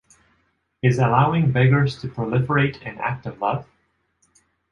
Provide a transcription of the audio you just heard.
Is allowing beggars to proliferate an act of love?